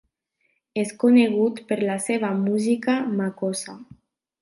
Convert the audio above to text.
És conegut per la seva música makossa.